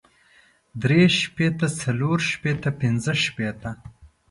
درې شپېته څلور شپېته پنځۀ شپېته